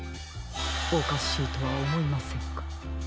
おかしいとはおもいませんか？